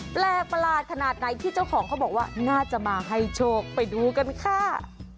แปลกประหลาดขนาดไหนที่เจ้าของเขาบอกว่าน่าจะมาให้โชคไปดูกันค่ะ